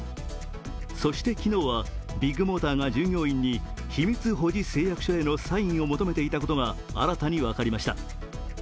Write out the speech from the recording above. そして、昨日はビッグモーターが従業員に秘密保持誓約書へのサインを求めていたことが新たに分かりました。